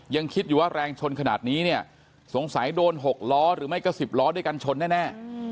ยังคิดอยู่ว่าแรงชนขนาดนี้เนี่ยสงสัยโดน๖ล้อหรือไม่ก็๑๐ล้อด้วยกันชนแน่